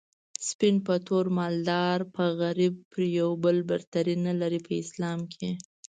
سپين په تور مالدار په غريب پر يو بل برتري نلري په اسلام کي